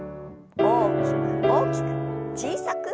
大きく大きく小さく。